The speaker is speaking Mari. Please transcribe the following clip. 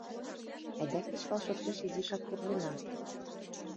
— Айда кечывал шотеш изишак пурлына.